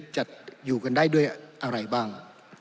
จะอยู่กันได้ด้วยอะไรบ้าง